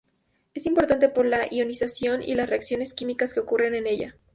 Es importante por la ionización y las reacciones químicas que ocurren en ella.